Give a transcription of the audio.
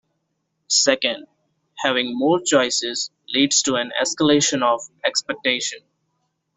Second, having more choices leads to an escalation of expectation.